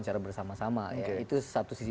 secara bersama sama itu satu sisi